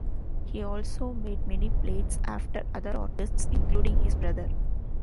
He also made many plates after other artists, including his brother.